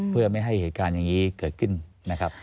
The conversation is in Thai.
เพื่อไม่ให้เหตุการณ์อย่างนี้เกิดขึ้นนะครับ